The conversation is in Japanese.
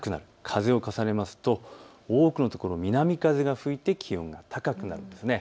風を重ねますと多くのところ南風が吹いて気温が高くなるんですね。